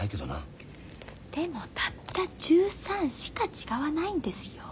でもたった１３しか違わないんですよ？